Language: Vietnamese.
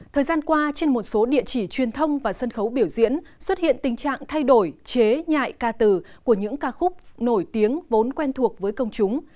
thời gian qua trên một số địa chỉ truyền thông và sân khấu biểu diễn xuất hiện tình trạng thay đổi chế nhạy ca từ của những ca khúc nổi tiếng vốn quen thuộc với công chúng